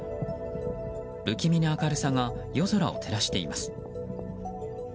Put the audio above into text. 不気味な明るさが夜空を照らしています。